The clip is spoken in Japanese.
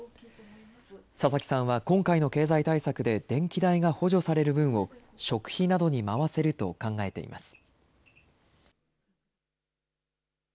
佐々木さんは今回の経済対策で電気代が補助される分を食費などに回せると考えています。